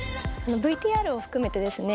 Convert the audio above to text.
ＶＴＲを含めてですね